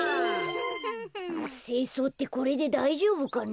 せいそうってこれでだいじょうぶかな？